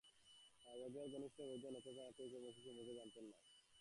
খালেদা জিয়ার ঘনিষ্ঠ কয়েকজন নেতা ছাড়া কেউই কর্মসূচি সম্পর্কে জানতেন না।